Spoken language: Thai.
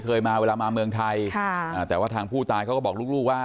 เคยมาเวลามาเมืองไทยค่ะอ่าแต่ว่าทางผู้ตายเขาก็บอกลูกว่า